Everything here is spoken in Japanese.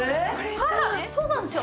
はいそうなんですよ。